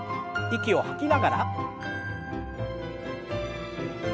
息を吐きながら。